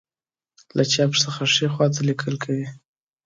له چپ څخه ښی خواته لیکل کوي.